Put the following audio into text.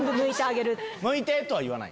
むいて！とは言わない？